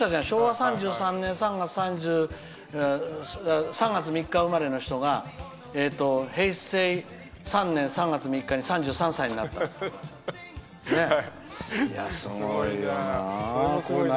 昭和３３年３月３日生まれの人が平成３年３月３日に３３歳になったって。